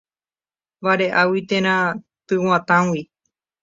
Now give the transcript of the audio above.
Vareʼágui térã tyguatãgui.